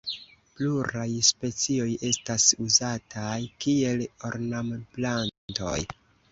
Pluraj specioj estas uzataj kiel ornamplantoj.